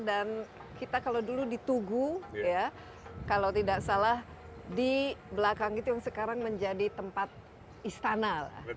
dan kita kalau dulu ditugu kalau tidak salah di belakang itu yang sekarang menjadi tempat istana